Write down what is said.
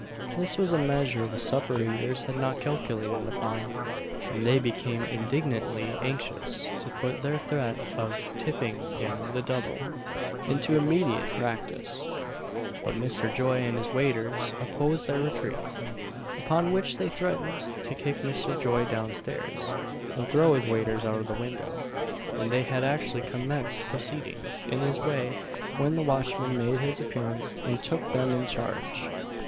This was a measure the supper eaters had not calculated upon, and they became indignantly anxious to put their threat of "tipping him the double" into immediate practice; but Mr. Joy and his waiters opposed their retreat; upon which they threatened to kick Mr. Joy downstairs, and throw his waiters out of the window; and they had actually commenced proceedings in this way when the watchman made his appearance and took them in charge.